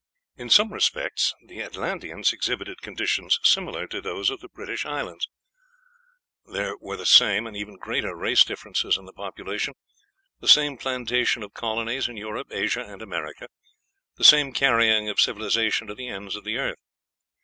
In some respects the Atlanteans exhibited conditions similar to those of the British Islands: there were the same, and even greater, race differences in the population; the same plantation of colonies in Europe, Asia, and America; the same carrying of civilization to the ends of the earth.